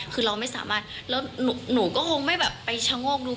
คือเราไม่สามารถแล้วหนูก็คงไม่แบบไปชะโงกดู